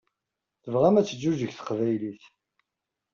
Tebɣam ad teǧǧuǧeg teqbaylit.